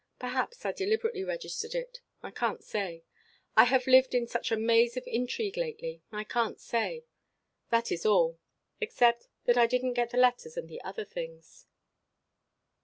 Perhaps I deliberately registered it. I can't say. I have lived in such a maze of intrigue lately. I can't say. That is all except that I didn't get the letters and the other things."